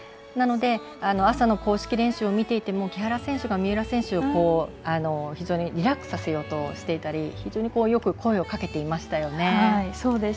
なので朝の公式練習を見ていても木原選手が三浦選手を非常にリラックスさせようとしていたり非常によく声をかけていましたね。